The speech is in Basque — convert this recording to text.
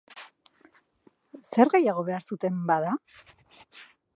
Zer gehiago behar zuten, bada?